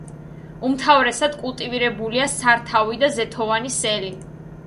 უმთავრესად კულტივირებულია სართავი და ზეთოვანი სელი.